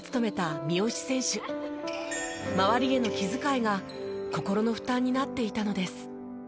周りへの気遣いが心の負担になっていたのです。